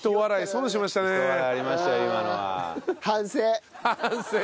「反省」。